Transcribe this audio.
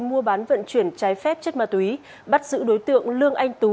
mua bán vận chuyển trái phép chất ma túy bắt giữ đối tượng lương anh tú